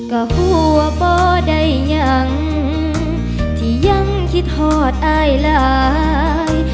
ก็หัวบ่ได้ยังที่ยังคิดหอดอายหลาย